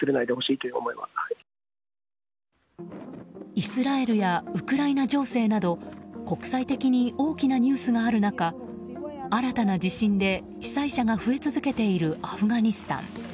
イスラエルやウクライナ情勢など国際的に大きなニュースがある中新たな地震で被災者が増え続けているアフガニスタン。